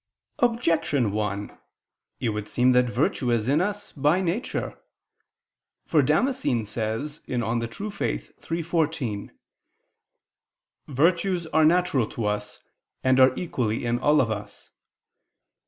Objection 1: It would seem that virtue is in us by nature. For Damascene says (De Fide Orth. iii, 14): "Virtues are natural to us and are equally in all of us."